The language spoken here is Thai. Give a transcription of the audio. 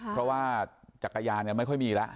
เพราะว่าจักรยานเนี่ยไม่ค่อยมีแล้ว